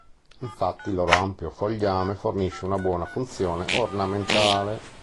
Infatti il loro ampio fogliame fornisce una buona funzione ornamentale.